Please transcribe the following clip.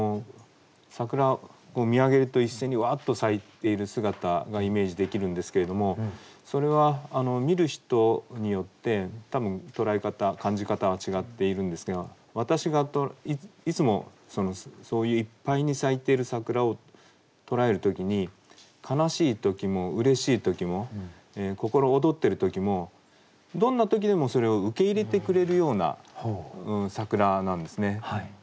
桜を見上げると一斉にわっと咲いている姿がイメージできるんですけれどもそれは見る人によって多分捉え方感じ方は違っているんですが私がいつもそういういっぱいに咲いている桜を捉える時に悲しい時もうれしい時も心躍ってる時もどんな時でもそれを受け入れてくれるような桜なんですね。